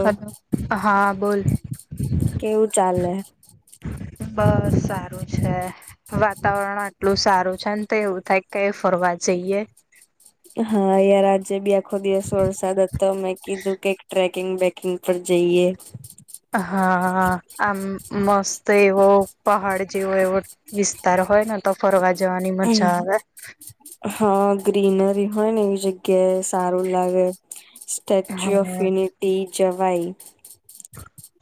Hello હા બોલો. કેવું ચાલે. બસ સારું છે. વાતાવરણ આટલું સારું છે. ને તો એવું થાય કયા ફરવા જઈએ. હા યાર આજે બી આખો દિવસ વરસાદ હતો. મેં કીધું કઈક ટ્રેક ટ્રેકિંગ પર જઈએ. હા હા આમ મસ્ત એવો પહાડ જેવો એવો વિ વિસ્તાર હોયને તો ફરવા જવાની મજા આવે. હા ગ્રીનરી હોય ને એવી જગ્યા જગ્યે સારું લાગે સ્ટેચ્યુ ઓફ હમ યુનિટી જવાય.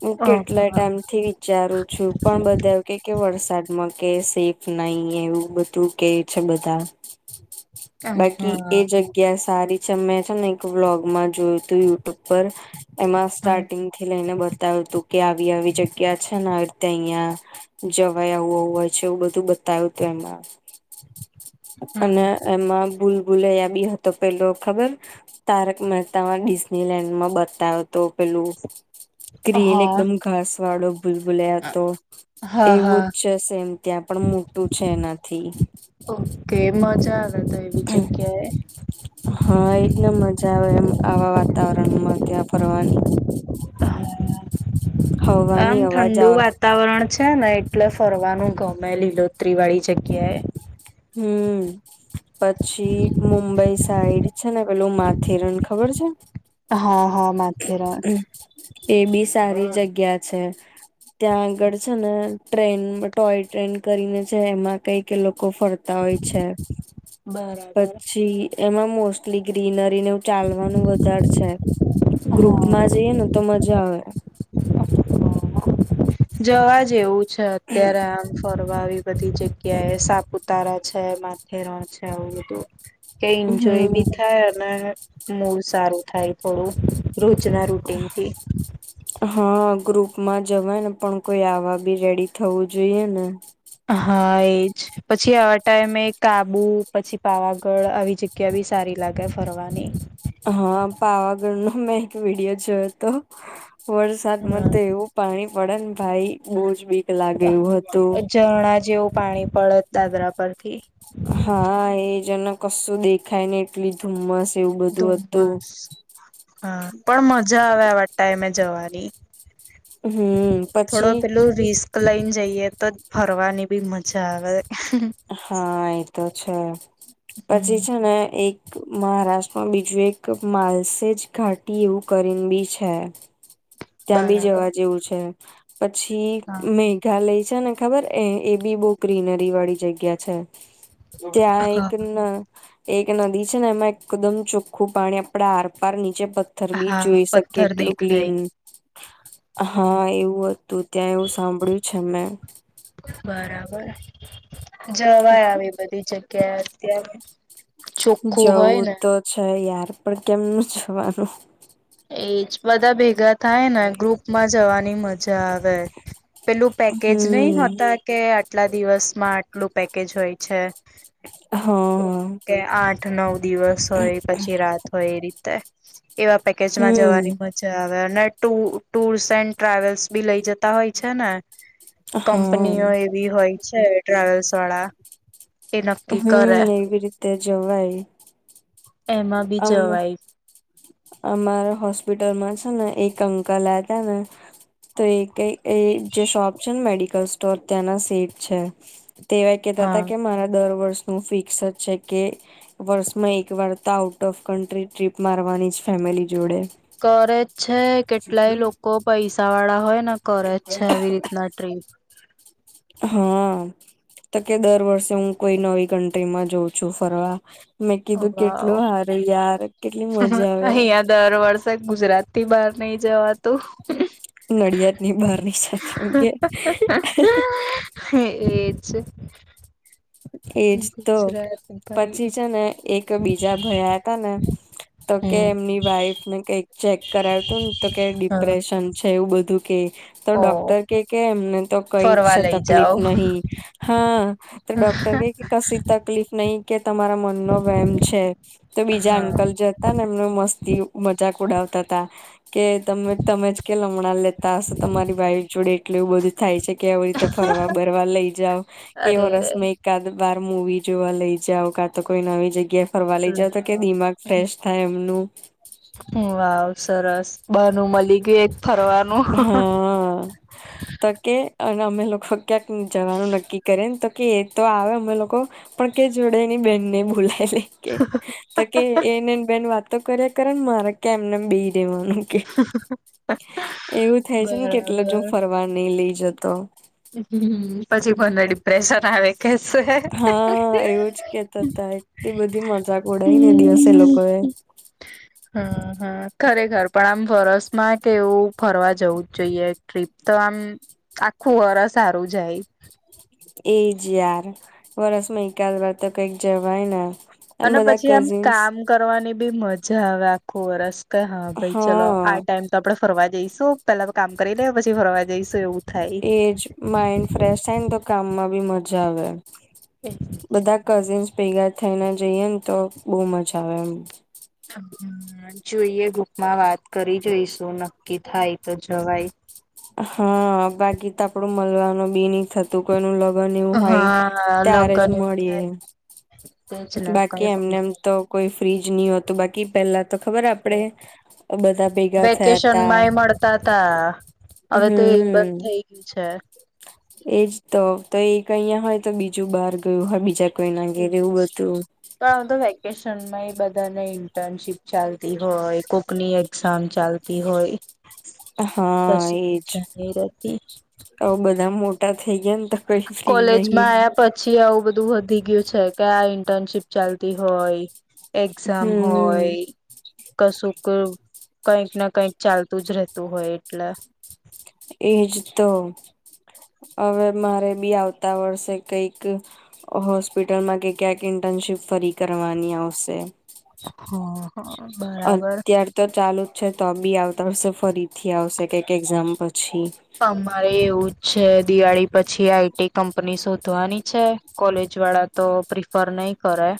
હું હા કેટલા હા ટાઈમ થી વિચારું છું. બધા કે વરસાદમાં કે સેફ નહી એવું શું કે છે. બધા બાકી એ હમ જગ્યા જગ્યા સારી છે. મેં છે ને એક વ્લોગમાં જોયું તું યુટ્યુબ પર એમાં સ્ટાર્ટિંગ થી લઈને બતાવ તું કે આવી આવી જગ્યા છે. ને ત્યાં અહીંયા જવાય આવું આવું હોય છે. એવું બધું બતાય્યું હતું. એમાં અને એમાં બૂલ બુલયા બી હતો પેલો ખબર. તારક મહેતા ડિઝનીલેન્ડ માં બતાવયો તો પેલું, ગ્રીન હા એકદમ ઘાસ વાળો. ભૂલ બુલે તો હા એવું હા જ છે સેમ ત્યાં પણ મોટું છે એનાથી, ઓકે મજા તો એવી જગ્યાએ [inaudible] હા, એટલે મજા આવે એમ, આવા વાતાવરણમાં ત્યાં ફરવાની. આમ હવાની અવાજ ઠંડુ વાત આવટ વાતાવરણ છે ને એટલે ફરવાનું ગમે લીલોતરી વાળી જગ્યાએ. હમ્મ. પછી મુંબઈ સાઈડ છે ને પેલું માથેરન ખબર છે? હા, હા, માથેરન. એ બી સારી જગ્યા છે, ત્યાં આગળ છે ને, ટ્રેન ટોય ટ્રેન કરીને છે, એમાં કઈક લોકો ફર હોય છે, બરાબર પછી. એમાં મોસ્ટલી ગ્રીનરી ને એવું ચાલવાનું વધાર છે. ગ્રુપમાં હા જઈએ ને તો મજા આવે. જવા જેવું છે, અત્યારે આમ. ફરવા આવી બધી જગ્યાએ સાપુતારા છે, માથેરો છે, આવું બધું. કે એન્જોય હમ બી થાય, અને. મૂડ સારું થાય થોડું, રોજના રૂટીનથી. હા, ગ્રુપમાં જવાયને પણ કોઈ આવા બી રેડી થવું જોઈએ ને. હા, એજ પછી આવા ટાઈમે કાબુ પછી, પાવાગઢ આવી જગ્યા. કે બી સારી લાગે ફરવાની. હા, પાવાગઢનો મેં એક વિડિયો જોયો હતો, વરસાદમાં તો એવું. પાણી પડેને ભાઈ બોજ બીક. લાગે એવું હતું. ઝરણા જેવું પાણી પડે દાદરા પરથી. હા, એજ અને કશું દેખાયની. [unintelligible] ધુમ્મસ એવું બધું હતું. ધુમ્મસ જ અવે આવાજ ટાઈમે જવાની. હમ્મ, થોડો પછી. પેલું રિસ્ક લઈન જઈએ તો જ ફરવાની બી મજા આવે. હા, એતો છે, હમ પછી છે ને એક. મહારાષ્ટ્રમાં બીજું એક માલસેજ ઘાટી એવું કરીને બી છે. ત્યાં બી બરાબર જવા જેવું છે, પછી હા મેઘાલય છે ને. ખબર એ એ બી બહુ ગ્રીનરી વાળી જગ્યા છે. ત્યાં એક. હા એક નદી છે ને એમાં એકદમ ચોખ્ખું પાણી આપડા આરપાર નીચે પ પથર બી હા જોઈ શકે પથ્થર એટલું ક્લીન. દેખાય. હમ હા, એવું હતું, ત્યાં એવું સાંભળ્યું છે મેં. બરાબર, જવાય આવી બધી જગ્યાએ. ત્યાંરે ચોખ્ખું હોય જવું ને. તો છે યાર પણ કેમનું જવાનું. એજ બધા ભેગા. થાય ને ગ્રુપ માં જવાની મજા આવે, પેલું પેકેજ નહી હમ હોતા? કે આટલા દિવસમાં આટલું પેકેજ હોય છે. કે હ આઠ નવ દિવસ હોય, પછી રાત હોય, એ રીતે એવા પેકેજમાં હમ જવાની મ જા આવે, અને ટુ ટુર્સ એન્ડ ટ્રાવેલ્સ બી લઇ જતા હોય છે ને. હા કંપનીઓ એવી હોય છે, ટ્રાવેલ્સ વાળા એ નક્કી કરે હમ્મ, એવી રીતે જવાય. એમાં બી આમ જવાય. અમારા હોસ્પિટલમાં છે ને એક અંકલ હતા ને તો એ કઈ એ જે શોપ છે ને મેડિકલ સ્ટોર ત્યાંના સેઠ છે. તેવાય કેતા હા હતા કે મારા દર વર્ષ નું ફિક્સ જ છે કે વર્ષમાં એક વારતા આઉટ ઓફ કન્ટ્રી ટ્રીપ મારવાની છે. ફેમિલી જોડે કરે જ છે કેટલાય લોકો પૈસા વાળા હોય ને કરે જ છે, આવી રીતના ટ્રીપ હમ્મ તો કે દર વર્ષે હું કોઈ નવી કન્ટ્રીમાં જાઉં છું ફરવા મેં કીધું કેટલો વાવ હારો યાર કેટલી મજા આવે. અહિયાં દર વર્ષ તોય ગુજરાતી બહાર નહી જવાનુ તો [inaudible] નડિયાદ ની બહાર ની સાથે એમ કે [inaudible] હે એ છે એજ તો ભાઈ પછી છે ને એક બીજા ભયા આયા તાને તો કે હમ એમની વાઈફને કઈક ચેક કરાવતું ને તો કે હા ડિપ્રેશન છે. એવું બધું કે તો ઓ ડોક્ટર કે-કે એમને તો કઈ જ ફરવા લઈ તકલીફ જાઓ નહી હા તો ડોક્ટરકે કે કશી તકલીફ નહી કે તમારા મનનો વેમ છે. તો બીજા હા અંકલ જતા હતા ને એમને મસ્તી મજાક ઉડાવતા હતા. કે તમે તમેજ કે લમણાં લેતા હશો તમારી ભાઈ જોડે એટલ એવું બધું થાય છે કે હવે. તો ફરવા બરવા લઈ જાવ કેવો અરેરે રસ્તો કાતો બાર મુવી જોવા લઈ જાવ કાતો કોઈ નવી જગ્યા ફરવા લઈ હમ જાવ તોકે દિમાગ ફ્રેશ થાય. એમનું હમ્મ વાવ સરસ બાનુ મલી ગયું એક ફરવાનું તોકે અને અમે લોકો ક્યાંક જવાનું નક્કી કરેને તો કે એ તો આવે અમે લોકો પણ કે જોડે એની બેનને બોલાઈ લેકે તોકે એને એની બેન વાતો કર્યા કરે ને મારે કે એમનેમ બેહી રેવાનું કે [unintelligible] એવું થાય છે ને કેટલે જ બરાબર હું ફરવા નઈ લઈ જતો [inaudible] પછી પંદરદી ડિપ્રેશન આવે હા એવું જ કેતા તા એટલી બધી મજાક ઉડાઈ ને એ દિવસ એ લોકોએ [unintelligible] હ હ ખરેખર પણ આમ વરસમાં કે એવું ફરવા જવું જ જોઈએ, ટ્રીપ તો આમ આખું વરસ સારું જાય એજ યાર વરસમાં એકાદ વા તો કઈક જવાય ને અને બધા પછી આમ કઝિન્સ કામ કરવાની ભી મજા આવે આખું વરસ કે હા ભાઈ ચલો આ હા ટાઈમ તો આપડે ફરવા જઈશું પેલા કામ કરી લે પછી ફરવા જઈશું એવું થાય. એજ માઈન્ડ ફ્રેશ થાય ને તો કામમાં ભી મજા આવે. એ જ બધા કઝિન્સ ભેગા થઈને જઈએે ને તો, બહુ મજા આવે એમ હ.. જોઈએ ગુપમાં વાત કરી જોઈશું, નક્કી થાય તો જવાય હા, બાકી તો આપડુ મલવાનું ભી નઇ થત કોઈ નુ લગન એવું હોય હા ત્યારે જ લગ્ન એવું મળીએ. થાય તેજ ને બાકી કઈ એમ નેમ તો ફંક્શન કોઈ ફ્રી જ નહી હોતું, બાકી પેલા તો ખબર આપડે બધા ભેગા થયા તા થતા, હવે તો એય બંધ હમ ગયું છે. એજ તો, તો એક અહીંયા હોય તો બીજું બહાર ગયું હોય, બીજા કોઈ ના ઘેરે એવું બધું પણ આ તો વેકેશનમાં એ બધાને ઇન્ટર્નશીપ ચાલતી હોય, કોકની એક્ઝામ ચાલ તી હોય. હા કશું એજ, જાની રહેતી અવ બધા મોટા થઈ ગયા તો કઈ ફ્રી નહી કોલેજમાં આયા પછી આવું બધું વધી ગયું છે, કે આ ઇન્ટર્નશીપ ચાલતી હોય એક્ઝામ હમ હોય કશુંક, કઈક ને કઈક ચાલતું જ રહેતું હોય, એટલે એજ તો.. હવે, મારે બી આવતા વર્ષે કઈક હોસ્પિટલમાં કે ક્યાંક ઇન્ટર્નશીપ ફરી કરવાની આવશે. હા હા બરાબર અત્યાર ચાલુ જ છે, તો બી આવતા વર્ષે ફરીથી આવશે, કઈક એક્ઝામ પછી અમારે એવું જ છે, દિવાળી પછી આઈટી કંપની શોધવાની છે. કોલેજ વાળા તો પ્રિફર નહી કરે,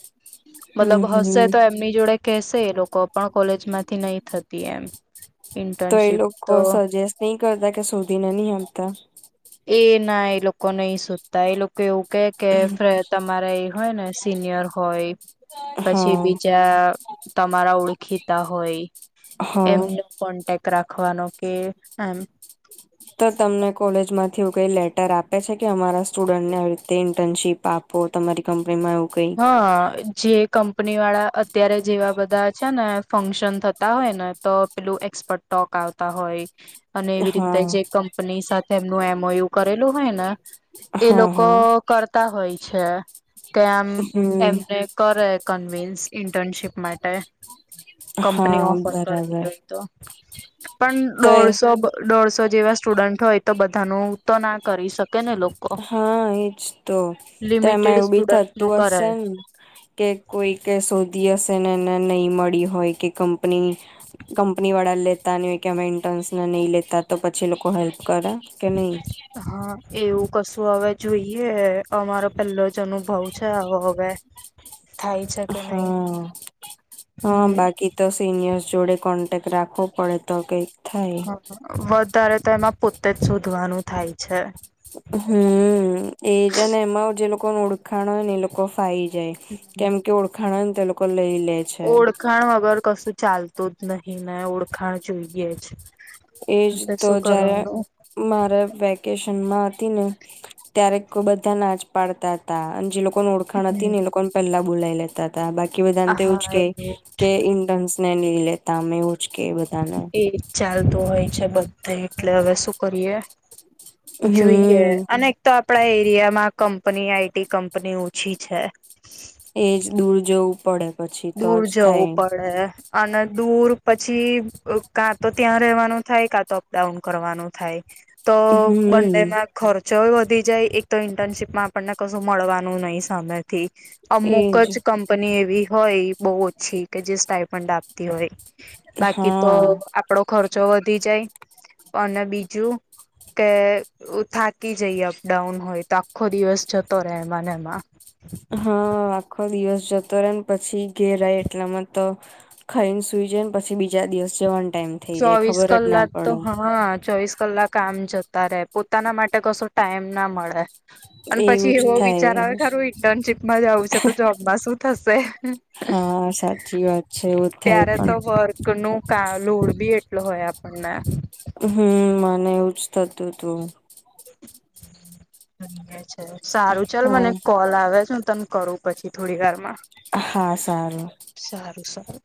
મતલબ હમ હશે હમ તો એ મની જોડે કહેશે એ લોકો પણ કોલેજ માંથી નહી થતી, એમ તો એ ઇન્ટર્નશીપ લોકો તો સજેસ્ટ નહી કરતા કે શોધીને નહી આપતા એ.. ના, એ લોકો નહી સોધતા એ લોકો એવું કે.. કે, ફે તમારા એ હોય ને સિનિયર હોય પછી હા બીજા તમારા ઓળખીતા હોય. હા કોન્ટેક્ટ રાખવાનો કે એમ તો તમને કોલેજ માં એવું કઈ લેટર આપે છે કે, અમારા સ્ટુડન્ટને અહીં થી ઇન્ટર્નશીપ આપો તમારી કંપનીમાં એવું કંઈક હા.. અ જે કંપનીવાળા અત્યારે જેવા બધા છે ને ફંક્શન થતા હોય ને તો પેલું એક્સપર્ટ ટોક આવતા હોય અને એવી રીતે જે હા કંપની સાથે એમનું એમઓયુ કરેલું હોય ને એ હા લોકો હા કરતા હોય છે, કે આમ હમ એમને કરે કન્વિન્સ ઇન્ટર્નશીપ માટે, કંપનીઓ હા ઓફર કરતી બરાબર હોય તો, પણ તો એ દોડશો બ દોડશો જેવા સ્ટુડન્ટ હોય તો, બધાનું તો ના કરી શકે. ને લોકો હા, એજ તો, તો એમાં લિમિટેડ એવું બી સ્ટુડન્ટ નું થતું કરે હશે ને કે કોઈ કે શોધી હશે ને એને નઈ મળી હોય કે, કંપની કંપની વાળા લેતા નઈ કે, અમે ઇન્ટર્ન્સ ને નહી લેતા તો પછી લોકો હેલ્પ કરે કે નહી? હા, એવું કશું હવે જોઈએ, અમારો પેલો જ અનુભવ છે આવો હવે થાય છે કે નહી હા હા હમ બાકી તો સિનિયર્સ જોડે કોન્ટેક્ટ રાખવો પડે તો કઈક થાય. વધારે તો એમાં પોતે જ શોધવાનું થાય છે. હમ એજ અને એમાં જે લોકોનું ઓળખાણ હોય ને એ લોકો ફાઈ જાય. હમ કેમ કે ઓળખાણ હોય ને તો એ લોકો લઈ લે. છે ઓળખાણ વગર કશું ચાલતું જ નહીં ને ઓળખાણ જોઈએ જ. એજ એટલે તો શું જયારે કરવાનું મારે વેકેશનમાં હતી ને ત્યારે કહું બધા ના જ પાડતા તા. અને જે લોકો ઓળ ખાણ હતી હમ ને એ લોકોને પહેલા બોલાઈ લેતા તા. બાકી બધા ને તો એવું જ કે કે ઇન્ટન્સ ને નઈ લેતા અમે એવું જ કે બધાને. એ જ ચાલતું હોય છે બધે એટલે હવે શું કરીએ. જોઈએ હમ અને તો આપડા એરિયામાં કંપની આઈટી કંપની ઓછી છે. એજ દૂર જવું પડે. પછી તો દૂર જ જવું થાય પડે. અને દૂર પછી કાં તો ત્યાં રેવાનું થાય કાં તો અપડાઉન કરવાનું થાય. તો હમ બંનેમાં ખર્ચો એ વધી જાય. એક તો ઇન્ટર્નશીપમાં આપણને કશું મળવાનું નહી સામેથી. અમુક એજ જ કંપની એવી હોય બહુ ઓછી કે જે સ્ટાઈફંડ આપતી હોય. બાકી તો હા આપડો ખર્ચો વધી જાય. અને બીજું કે થાકી જઈએ અપડાઉન હોય તો આખો દિવસ જતો રહે એમાંને એમાં. હા આખો દિવસ જતો રહે ને પછી ઘેર આઈ એટલામાં તો ખઈને સુઈ જઈને પછી બીજા દિવસ જવાનું. ચોવીસ કલાક તો હા ચોવીસ કલાક કામ જતા રહે. પોતાના માટે કશો ટાઈમ ના મળે. અને એવું પછી જ એવો વિચાર આવે થાય કે હારું ઇન્ટર્નશીપમાં જ આવું છે તો જોબમાં શું થશે. હા સાચી વાત છે એવું જ થાય પણ. નો કા લોડ બી એટલો હોય આપણને. હમ મને એવું જ થતું તું. એ છે. સારું ચાલ હા મને કોલ આવે છે તને કરું પછી થોડી વારમાં. હા સારું. સારું સારું.